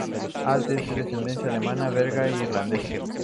Alt es de ascendencia alemana, belga e irlandesa.